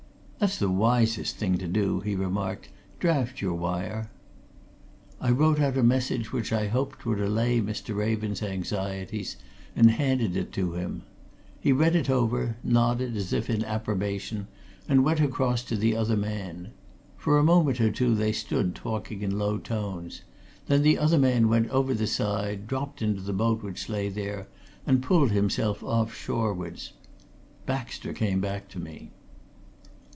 "That's the wisest thing to do," he remarked. "Draft your wire." I wrote out a message which I hoped would allay Mr. Raven's anxieties and handed it to him. He read it over, nodded as if in approbation, and went across to the other man. For a moment or two they stood talking in low tones; then the other man went over the side, dropped into the boat which lay there, and pulled himself off shorewards. Baxter came back to me.